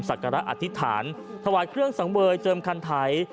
ศักราอธิษฐานถวัดเครื่องสังเบยเจิมคันไถ